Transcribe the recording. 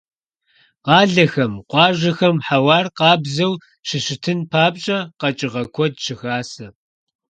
Къалэхэм, къуажэхэм хьэуар къабззу щыщытын папщӀэ, къэкӀыгъэ куэд щыхасэ.